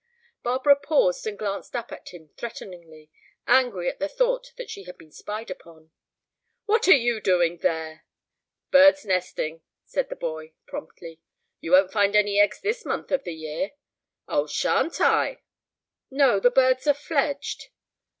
Barbara paused and glanced up at him threateningly, angry at the thought that she had been spied upon. "What are you doing there?" "Birds' nesting," said the boy, promptly. "You won't find any eggs this month of the year." "Oh, sha'n't I!" "No, the birds are fledged."